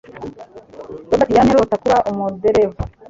Robert yamye arota kuba umuderevu.